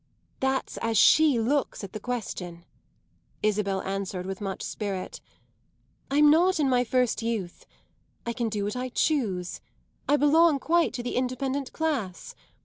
"That's as she looks at the question," Isabel answered with much spirit. "I'm not in my first youth I can do what I choose I belong quite to the independent class.